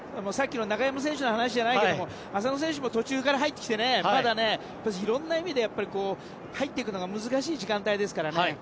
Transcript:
さっきの中山選手の話じゃないけど浅野選手も途中から入ってまだ、いろんな意味で入っていくのが難しい時間帯ですからね。